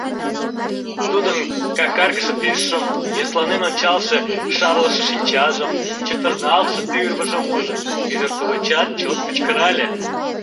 Тудын какаргыше тӱсшым, йӧсланен ончалше шарлыше шинчажым, чытырналтше тӱрвыжым ужын, ӱдыр тулечат чот кычкырале: